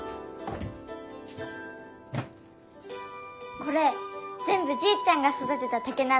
これぜんぶじいちゃんがそだてた竹なんだよ。